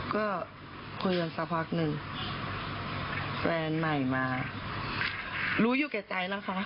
ก็คุยกันสักพักหนึ่งแฟนใหม่มารู้อยู่แก่ใจแล้วค่ะ